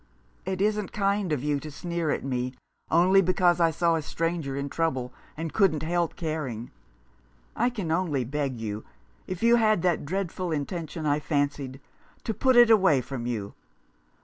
" It isn't kind of you to sneer at me — only because I saw a stranger in trouble and couldn't help caring. I can only beg you — if you had that dreadful intention I fancied — to put it away from you.